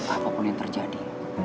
apapun yang terjadi